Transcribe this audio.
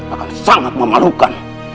akan sangat memalukan